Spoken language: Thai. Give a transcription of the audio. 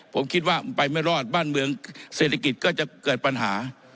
ผมคิดว่าไปไม่รอดบ้านเมืองเศรษฐกิจก็จะเกิดปัญหา